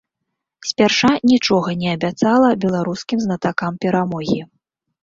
Спярша нічога не абяцала беларускім знатакам перамогі.